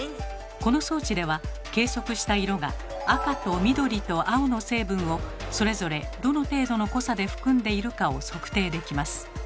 この装置では計測した色が赤と緑と青の成分をそれぞれどの程度の濃さで含んでいるかを測定できます。